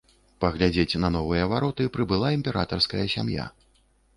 Паглядзець на новыя вароты прыбыла імператарская сям'я.